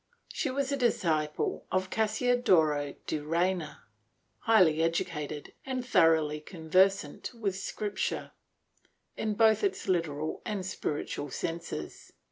She was a disciple of Cassiodoro de Reina, highly educated and thoroughly conver sant with scripture, in both its literal and spiritual senses.